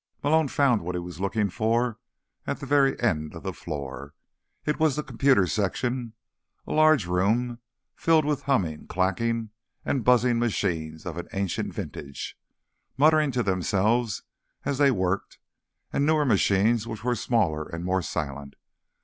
Malone found what he was looking for at the very end of the floor. It was the Computer Section, a large room filled with humming, clacking and buzzing machines of an ancient vintage, muttering to themselves as they worked, and newer machines which were smaller and more silent.